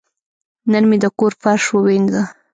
نن مې د کور فرش ووینځه.